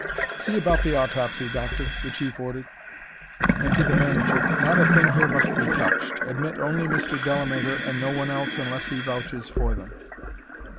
"See about the autopsy, Doctor," the Chief ordered. And to the manager: "Not a thing here must be touched. Admit only Mr. Delamater and no one else unless he vouches for them.